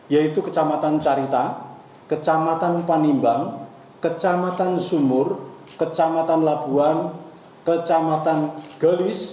yaitu kecamatan carita kecamatan panimbang kecamatan sumur kecamatan labuan kecamatan gelis